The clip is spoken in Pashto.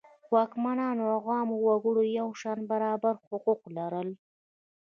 واکمنانو او عامو وګړو یو شان او برابر حقوق لرل.